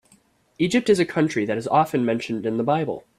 Egypt is a country that is often mentioned in the Bible.